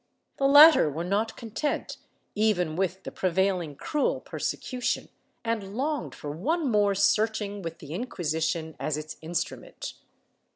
The latter w^re not content even with the prevailing cruel persecution, and longed for one more searching with the Inquisition as its instrument.